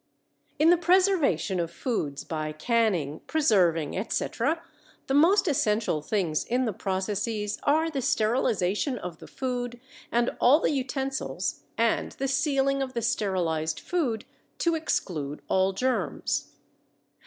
In the preservation of foods by canning, preserving, etc., the most essential things in the processes are the sterilization of the food and all the utensils and the sealing of the sterilized food to exclude all germs.